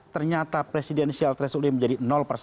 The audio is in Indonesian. ternyata presidential threshold ini menjadi